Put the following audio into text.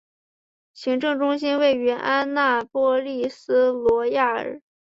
行政中心位于安纳波利斯罗亚尔。